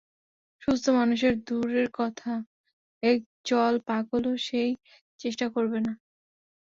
সুস্থ মানুষ দূরের কথা, এক জল পাগলও সেই চেষ্টা করবে না।